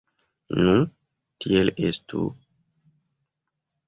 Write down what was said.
Nu, tiel estu.